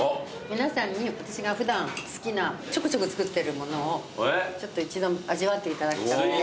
皆さんに私が普段好きなちょくちょく作ってるものを一度味わっていただきたくて。